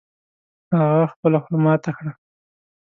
هغه خپله خوله ماته کړه